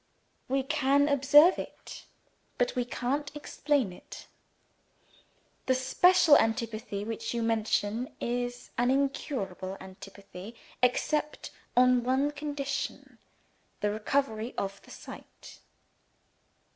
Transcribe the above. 'We can observe it, but we can't explain it. The special antipathy which you mention, is an incurable antipathy, except on one condition the recovery of the sight.'